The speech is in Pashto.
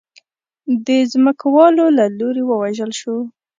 د ځمکوالو له لوري ووژل شو.